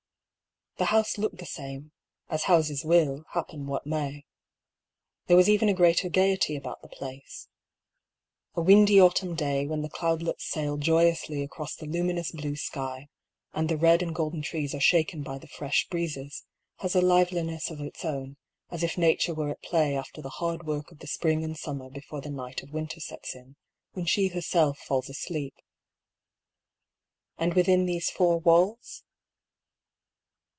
The house looked the same, as houses will, happen what may. There was even a greater gaiety about the place. A windy autumn day, when the cloudlets sail joyously across the luminous blue sky, and the red and golden trees are shaken by the fresh breezes, has a liye liness of its own, as if Nature were at play after the hard work of the spring and summer before the night of win ter sets in, when she herself falls asleep. And within these four walls